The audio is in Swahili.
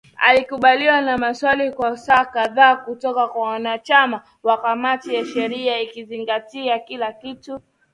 Alikabiliwa na maswali kwa saa kadhaa kutoka kwa wanachama wa kamati ya sheria ikizingatia kila kitu kuanzia falsafa yake ya mahakama